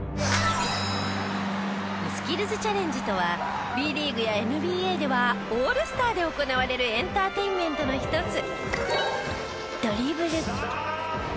スキルズチャレンジとはＢリーグやＮＢＡではオールスターで行われるエンターテインメントの一つ。